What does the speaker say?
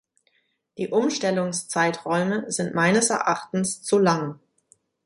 Die Umstellungszeiträume sind meines Erachtens zu lang.